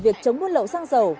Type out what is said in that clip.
việc chống buôn lậu xăng dầu